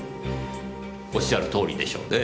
おっしゃるとおりでしょうね。